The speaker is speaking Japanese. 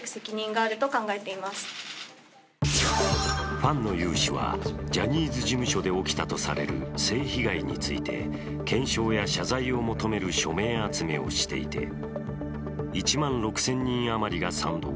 ファンの有志はジャニーズ事務所で起きたとされる性被害について検証や謝罪を求める署名集めをしていて、１万６０００人余りが賛同。